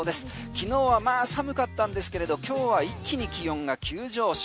昨日は寒かったんですけれど今日は一気に気温が急上昇。